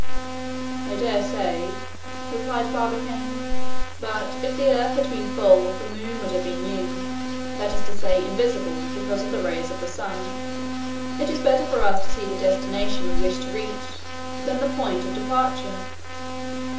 "I dare say," replied Barbicane; "but if the earth had been full, the moon would have been new; that is to say, invisible, because of the rays of the sun. It is better for us to see the destination we wish to reach, than the point of departure."